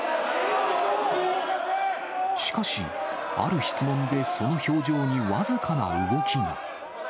しかし、ある質問でその表情に僅かな動きが。